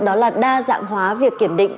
đó là đa dạng hóa việc kiểm định